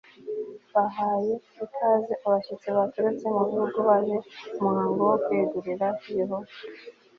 bahaye ikaze abashyitsi baturutse mu bihugu baje mu muhango wo kwegurira Yehova